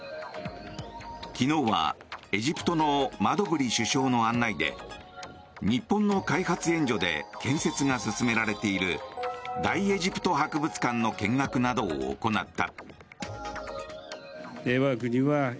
昨日はエジプトのマドブリ首相の案内で日本の開発援助で建設が進められている大エジプト博物館の見学などを行った。